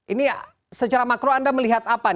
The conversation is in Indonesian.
ini secara makro anda melihat apa